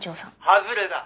「外れだ。